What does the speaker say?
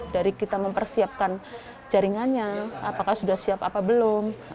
dari kita mempersiapkan jaringannya apakah sudah siap apa belum